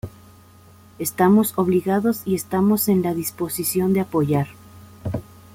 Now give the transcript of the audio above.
Estamos obligados y estamos en la disposición de apoyar.